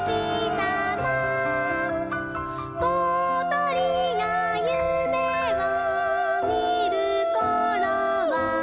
「ことりがゆめをみるころは」